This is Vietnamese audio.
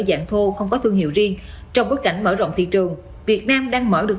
dạng thô không có thương hiệu riêng trong bối cảnh mở rộng thị trường việt nam đang mở được